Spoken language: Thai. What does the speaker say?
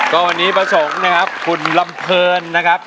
ก็วันนี้ประสงค์นะครับคุณลำเพลินนะครับ